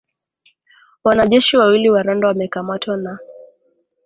wanajeshi wawili wa Rwanda wamekamatwa na